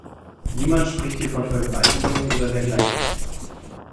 Niemand spricht hier von Vergewaltigung oder dergleichen.